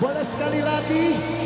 boleh sekali lagi